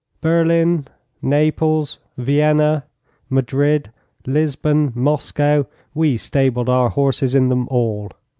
Berlin, Naples, Vienna, Madrid, Lisbon, Moscow we stabled our horses in them all.